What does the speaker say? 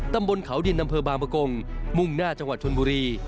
ตำบลเขาดินอำเภอบางประกงมุ่งหน้าจังหวัดชนบุรี